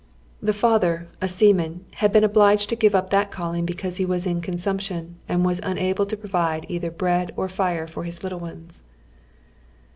The father, a seaman, had been obliged to give up that calling because he was in consumption, and was unable to provide either bread or fire for his little ones."